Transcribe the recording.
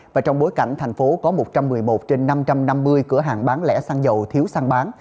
và trong bối cảnh thành phố có một trăm một mươi một trên năm trăm năm mươi cửa hàng bán lẻ xăng dầu thiếu săn bán